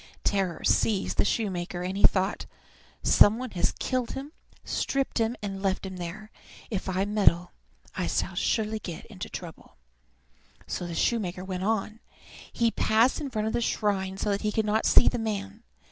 Terror seized the shoemaker, and he thought, "Some one has killed him, stripped him, and left him there. If I meddle I shall surely get into trouble." So the shoemaker went on. He passed in front of the shrine so that he could not see the man.